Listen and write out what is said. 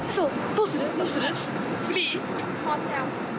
どうする？